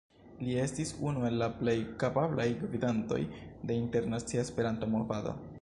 Li estis unu el la plej kapablaj gvidantoj de internacia Esperanto-movado.